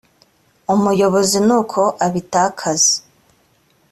umuyobozi n uko abitakaza